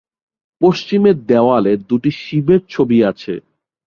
পশ্চিমের দেওয়ালে দুটি শিবের ছবি আছে।